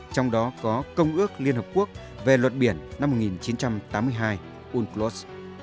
trong đó có công ước liên hợp quốc về luật biển năm một nghìn chín trăm tám mươi hai unclos